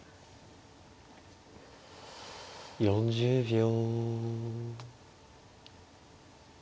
４０秒。